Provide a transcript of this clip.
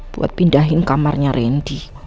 buat pindahin kamarnya randy